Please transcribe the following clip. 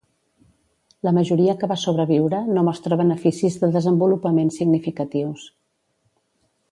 La majoria que va sobreviure no mostra beneficis de desenvolupament significatius.